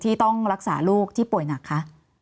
ที่ต้องรักษาลูกที่ป่วยหนักคะ